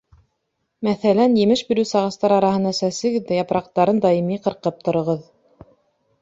Мәҫәлән, емеш биреүсе ағастар араһына сәсегеҙ ҙә япраҡтарын даими ҡырҡып тороғоҙ.